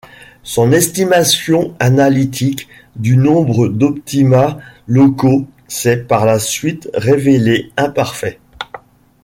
Son estimation analytique du nombre d'optima locaux s'est par la suite révélée imparfaite.